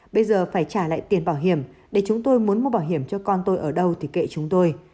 bây giờ phải trả lại tiền bảo hiểm để chúng tôi muốn mua bảo hiểm cho con tôi ở đâu thì kệ chúng tôi